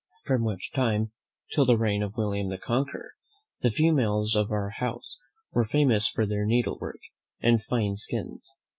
From which time, till the reign of William the Conqueror, the females of our house were famous for their needlework and fine skins.